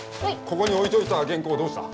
ここに置いといた原稿どうした？